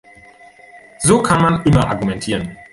So kann man immer argumentieren.